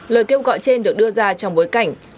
lời kêu gọi trên được đưa ra trong bối cảnh